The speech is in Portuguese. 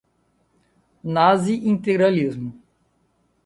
nazi-integralismo